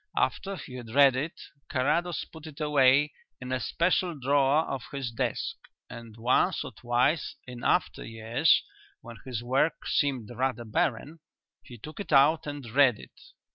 After he had read it Carrados put it away in a special drawer of his desk, and once or twice in after years, when his work seemed rather barren, he took it out and read it.